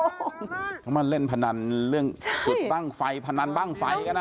เพราะมันเล่นพนันเรื่องจุดปั้งไฟพนันปั้งไฟกันอ่ะ